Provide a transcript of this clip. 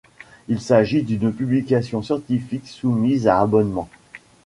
Il s'agit d'une publication scientifique soumise à abonnement.